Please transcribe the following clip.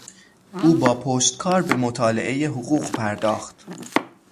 او با پشتکار به مطالعهی حقوق پرداخت.